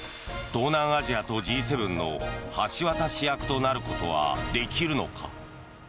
東南アジアとＧ７の橋渡し役となることはできるのか。